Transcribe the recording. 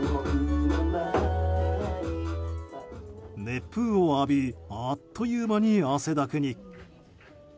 熱風を浴びあっという間に汗だくに。